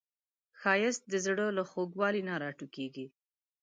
ښایست د زړه له خوږوالي نه راټوکېږي